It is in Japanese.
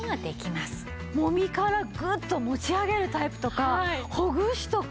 もみからグッと持ち上げるタイプとかほぐしとか。